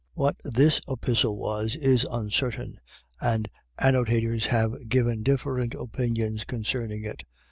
. .What this epistle was is uncertain, and annotators have given different opinions concerning it.